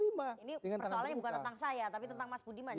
jadi persoalannya bukan tentang saya tapi tentang mas budiman